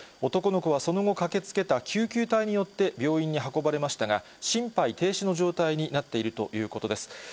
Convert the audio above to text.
男の子はその後、駆けつけた救急隊によって、病院に運ばれましたが、心肺停止の状態になっているということです。